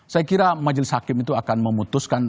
saya kira majelis hakim itu akan memutuskan